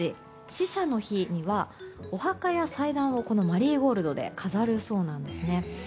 死者の日には、お墓や祭壇をこのマリーゴールドで飾るそうなんですね。